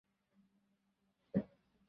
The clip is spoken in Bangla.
আমার স্রেফ চলে যেতে ইচ্ছা করছিল।